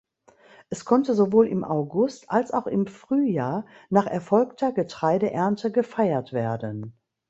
Es konnte sowohl im August als auch im Frühjahr nach erfolgter Getreideernte gefeiert werden.